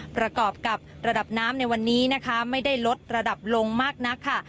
ประกอบกับระดับน้ำในวันนี้นะคะไม่ได้ลดระดับลงมากนักค่ะ